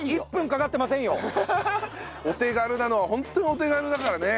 お手軽なのはホントにお手軽だからね。